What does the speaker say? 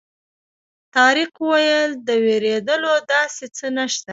طارق وویل د وېرېدلو داسې څه نه شته.